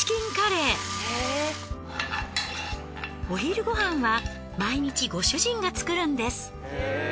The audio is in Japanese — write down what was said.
お昼ごはんは毎日ご主人が作るんです。